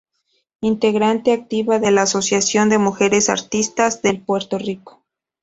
Integrante activa de la Asociación de Mujeres Artistas de Puerto Rico.